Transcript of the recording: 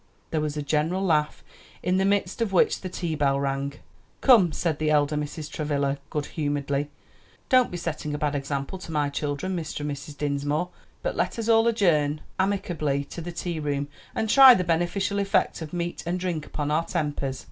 '" There was a general laugh, in the midst of which the tea bell rang. "Come," said the elder Mrs. Travilla good humoredly, "don't be setting a bad example to my children, Mr. and Mrs. Dinsmore, but let us all adjourn amicably to the tea room, and try the beneficial effect of meat and drink upon our tempers."